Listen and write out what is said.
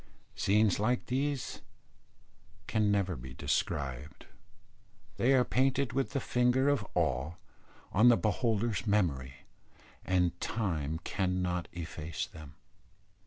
Scenes like these can never be described. They are painted with the finger of awe on the beholder's memory, and time cannot efface them.